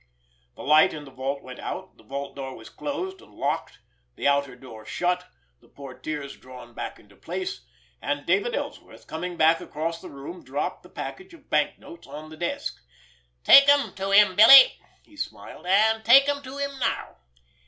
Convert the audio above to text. The light in the vault went out. The vault door was closed and locked, the outer door shut, the portières drawn back into place, and David Ellsworth, coming back across the room, dropped the package of banknotes on the desk. "Take 'em to him, Billy," he smiled; "and take 'em to him now.